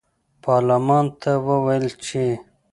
پارلمان ته وویل چې